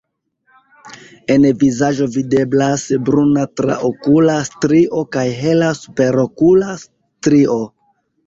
En vizaĝo videblas bruna traokula strio kaj hela superokula strio.